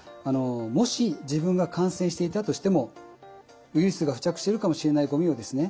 もし自分が感染していたとしてもウイルスが付着しているかもしれないゴミをですね